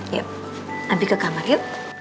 yuk abi ke kamar yuk